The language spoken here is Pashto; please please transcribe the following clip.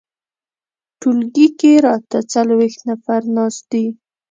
ټولګي کې راته څلویښت نفر ناست دي.